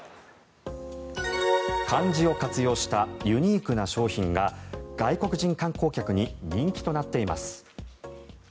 漢字を活用したユニークな商品が外国人観光客に人気となっています。